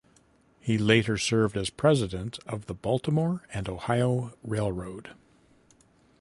He later served as president of the Baltimore and Ohio Railroad.